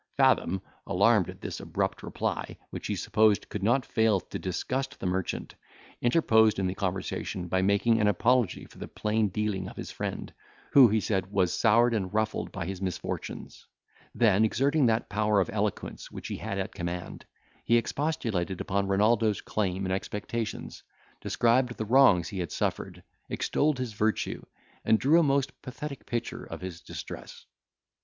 Fathom, alarmed at this abrupt reply, which he supposed could not fail to disgust the merchant, interposed in the conversation, by making an apology for the plain dealing of his friend, who, he said, was soured and ruffled by his misfortunes; then exerting that power of eloquence which he had at command, he expostulated upon Renaldo's claim and expectations, described the wrongs he had suffered, extolled his virtue, and drew a most pathetic picture of his distress.